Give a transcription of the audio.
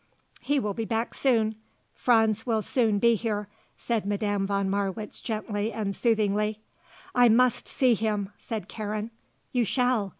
"He will be back soon; Franz will soon be here," said Madame von Marwitz gently and soothingly. "I must see him," said Karen. "You shall.